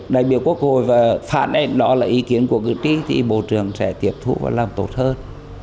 đại biểu quốc hội và phản ánh đó là ý kiến của cử tri thì bộ trưởng sẽ tiếp thu và làm tốt hơn